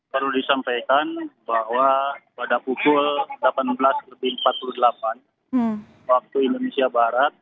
perlu disampaikan bahwa pada pukul delapan belas lebih empat puluh delapan waktu indonesia barat